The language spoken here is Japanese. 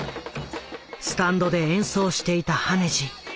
スタンドで演奏していた羽地。